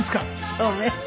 そうね。